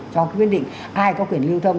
cho quyết định ai có quyền lưu thông